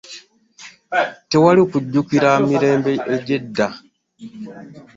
Tewali kujjukira mirembe egy'edda.